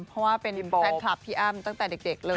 เพราะว่าเป็นแฟนคลับพี่อ้ำตั้งแต่เด็กเลย